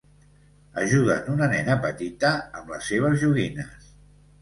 Ajuden una nena petita amb les seves joguines.